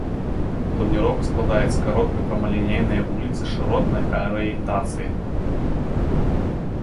Планіроўка складаецца з кароткай прамалінейнай вуліцы шыротнай арыентацыі.